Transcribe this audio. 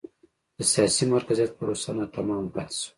د سیاسي مرکزیت پروسه ناتمامه پاتې شوه.